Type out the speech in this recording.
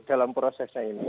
dalam prosesnya ini